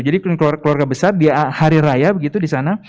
jadi keluarga besar dia hari raya gitu di sana